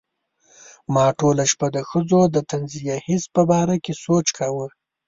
ما ټوله شپه د ښځو د طنزیه حس په باره کې سوچ کاوه.